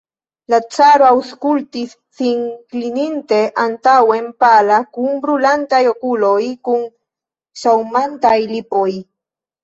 La caro aŭskultis, sin klininte antaŭen, pala, kun brulantaj okuloj, kun ŝaŭmantaj lipoj.